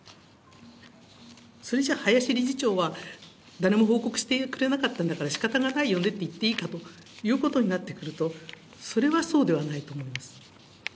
それじゃ林理事長は、誰も報告してくれなかったんだからしかたがないよねって言っていいかということになってくると、それはそうではないと思います。